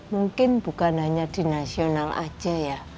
mungkin bukan hanya di nasional aja ya